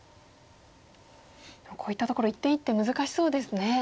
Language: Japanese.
こういったところ一手一手難しそうですね。